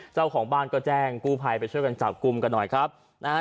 เจ้าของบ้านก็แจ้งกู้ภัยไปช่วยกันจับกลุ่มกันหน่อยครับนะฮะ